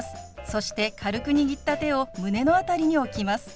そして軽く握った手を胸の辺りに置きます。